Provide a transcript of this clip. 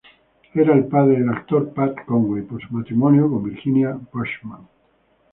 Era el padre del actor Pat Conway por su matrimonio con Virginia Bushman.